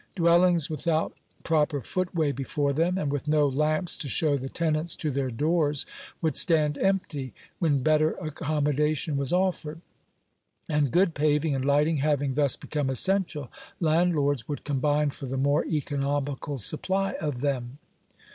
Dwellings without proper footway before them, and with no lamps to show the tenants to their doors, would stand empty, when better accom modation was offered. And good paving and lighting having thus become essential, landlords would combine for the more economical supply of them.